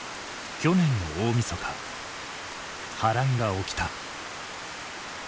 去年の大みそか波乱が起きた。